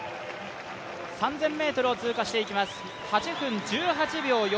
３０００ｍを通過していきます。